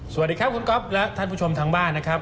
สวัสดีครับคุณก๊อฟและท่านผู้ชมทางบ้านนะครับ